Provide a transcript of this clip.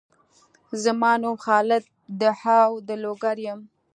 زما نوم خالد دهاو د لوګر یم